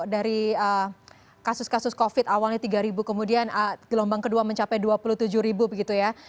dari kasus kasus covid awalnya tiga ribu kemudian gelombang kedua mencapai dua puluh tujuh ribu begitu ya